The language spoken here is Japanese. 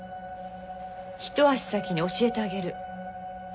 一足先に教えてあげる。